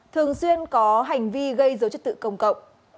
thường xuyên có hành vi gây dấu chức tự công cộng